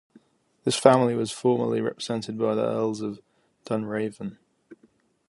This family was formerly represented by the Earls of Dunraven.